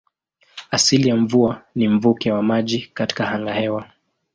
Asili ya mvua ni mvuke wa maji katika angahewa.